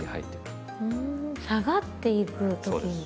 ふん下がっていく時に。